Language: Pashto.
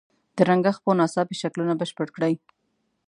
د رنګه خپو ناڅاپي شکلونه بشپړ کړئ.